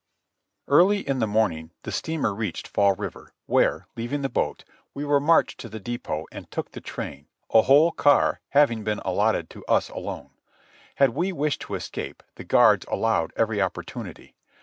Early in the morn4ng the steamer reached Fall River, where, leaving the boat, we were marched to the depot and took the train, a whole car having been allotted to us alone. Had we wished to escape, the guards allowed every opportunity.